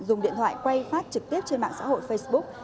dùng điện thoại quay phát trực tiếp trên mạng xã hội facebook